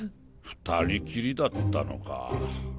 ２人きりだったのか？